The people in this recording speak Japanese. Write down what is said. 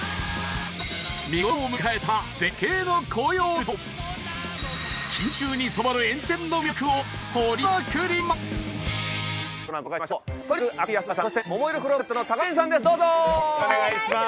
見頃を迎えた錦秋に染まる沿線の魅力を掘りまくります！